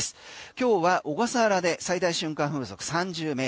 今日は小笠原で最大瞬間風速３０ｍ。